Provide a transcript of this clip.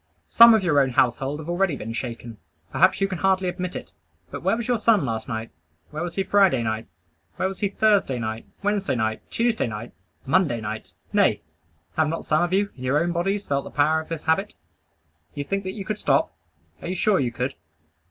Some of your own household have already been shaken. Perhaps you can hardly admit it; but where was your son last night? Where was he Friday night? Where was he Thursday night? Wednesday night? Tuesday night? Monday night? Nay, have not some of you, in your own bodies, felt the power of this habit? You think that you could stop? Are you sure you could?